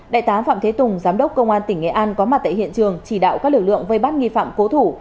đại tá phạm thế tùng giám đốc công an tỉnh nghệ an có mặt tại hiện trường chỉ đạo các lực lượng vây bắt nghi phạm cố thủ